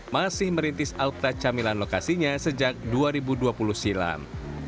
masih merintis alkta camilan lokasinya sejak dua ribu dua puluh silam